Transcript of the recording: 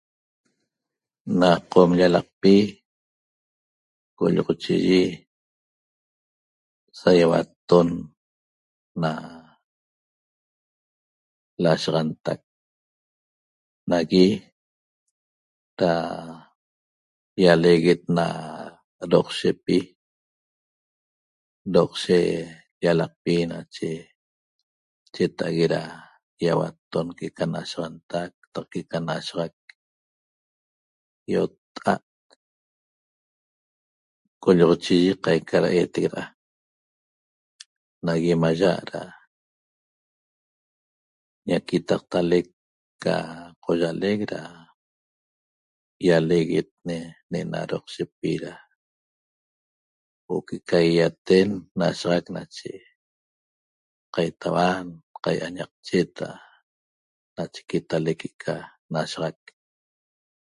Na Qom llalaqpi co'olloxochiyi sa ýauatton na l'asaxantac nagui da ýaleeguet na Doqshepi Doqshe llalaqpi nache cheta'ague da ýauatton que'eca nashaxantac qataq que'eca nshaxac ýotta'a't co'olloxochiyi qaica da eetec de'eda nagui maya' da ñaquitaqtalec ca qoyalec da ýaleeguet ne'ena Doqshepi da huo'o que'eca ýaýaten n'ashaxac nache qaitauan qai'añaqchet da nache quetalec que'eca n'ashaxac